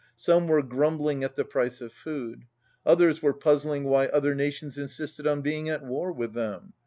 Some were grumbling at the price of food. Others were puzzling why other nations insisted on being at war with them.